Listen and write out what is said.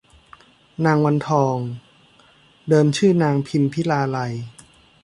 นางวันทอง เดิมชื่อนางพิมพิลาไลย